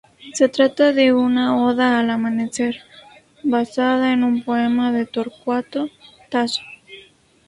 Se trata de una oda al amanecer, basada en un poema de Torcuato Tasso.